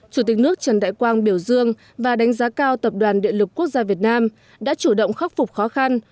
chủ tịch nước trần đại quang biểu dương và đánh giá cao tập đoàn điện lực quốc gia việt nam đã chủ động khắc phục khó khăn